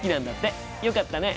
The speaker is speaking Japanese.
よかったね。